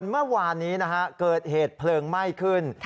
เมื่อวานนี้นะฮะเกิดเหตุเพลิงไหม้ขึ้น